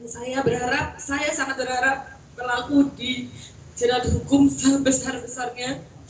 saya berharap saya sangat berharap pelaku di jalan hukum sebesar besarnya